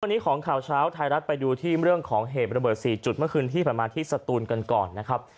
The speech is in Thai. วันนี้ของข่าวเช้าไทยรัฐไปดูที่เรื่องของเหตุระเบิด๔จุดเมื่อคืนที่ผ่านมาที่สตูนกันก่อนนะครับ